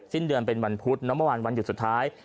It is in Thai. สิ้นเดือนเป็นวันพุธเนอะเมื่อวานวันหยุดสุดท้าย